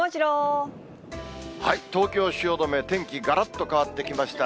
東京・汐留、天気、がらっと変わってきました。